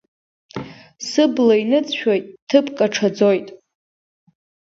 Сыбла иныҵшәоит, ԥыҭк аҽаӡоит.